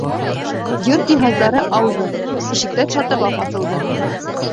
Йорт йыһаздары ауҙы, ишектәр шатырлап асылды.